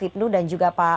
ibnu dan juga pak